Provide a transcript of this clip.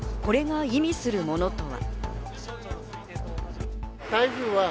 これが意味するものとは。